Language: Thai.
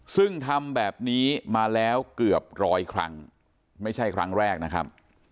ซึ่งทำแบบนี้มาแล้วเกือบร้อยครั้งไม่ใช่ครั้งแรกนะครับ